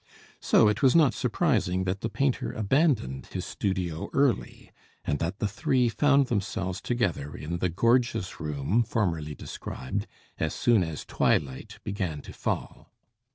So it was not surprising that the painter abandoned his studio early, and that the three found themselves together in the gorgeous room formerly described, as soon as twilight began to fall.